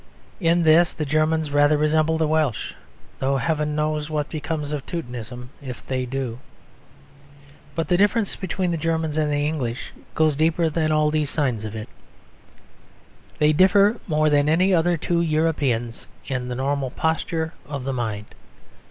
In this the Germans rather resemble the Welsh: though heaven knows what becomes of Teutonism if they do. But the difference between the Germans and the English goes deeper than all these signs of it; they differ more than any other two Europeans in the normal posture of the mind.